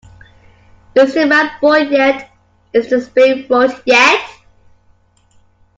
Is the man born yet, is the spade wrought yet?